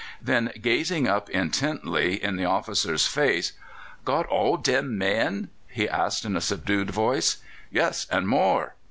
Then, gazing up intently in the officer's face: "Got all dem men?" he asked in a subdued voice. "Yes, and more."